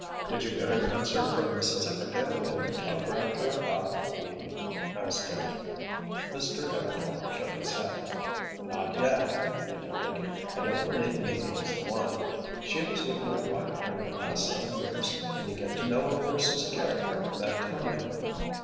"Did you get an answer from Mrs. Everdail when you telegraphed her about Mimi?" asked Dick. Mr. Everdail shook his head. "Not yet," he admitted. "I don't believe Mimi is the one. She was with my wife during the last seven years and you get to know a person's character in that time."